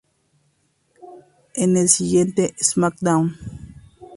En el siguiente "Smackdown!